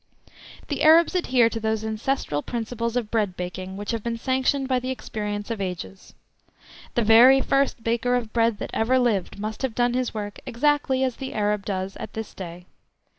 The Arabs adhere to those ancestral principles of bread baking which have been sanctioned by the experience of ages. The very first baker of bread that ever lived must have done his work exactly as the Arab does at this day.